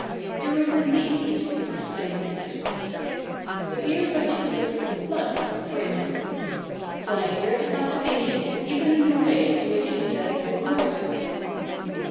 ' There is indeed,' exclaimed Mr. Stockton. ' The dear Duchess of for instance— why, there's a fascina tion even in the way in which she says good morning.'